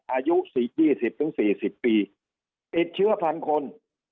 อายุสี่ยี่สิบถึงสี่สิบปีติดเชื้อพันคน